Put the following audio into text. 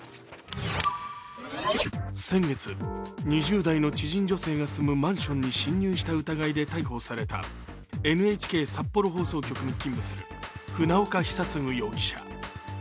先月、２０代の知人女性が住むマンションに侵入した疑いで逮捕されたＮＨＫ札幌放送局に勤務する船岡久嗣容疑者。